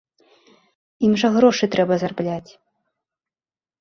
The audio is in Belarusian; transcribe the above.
Ім жа грошы трэба зарабляць.